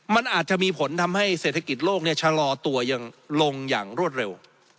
มันอาจจะมีผลทำให้เศรษฐกิจโลกชะลอตัวยังลงอย่างรวดเร็ว